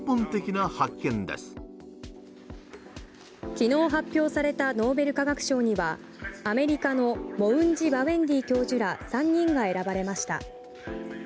昨日発表されたノーベル化学賞にはアメリカのモウンジ・バウェンディ教授ら３人が選ばれました。